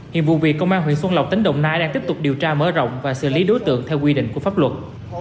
hiện vụ việc công an huyện xuân lộc tỉnh đồng nai đang tiếp tục điều tra mở rộng và xử lý đối tượng theo quy định của pháp luật